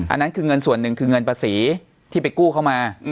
อันนั้นคือเงินส่วนหนึ่งคือเงินภาษีที่ไปกู้เข้ามา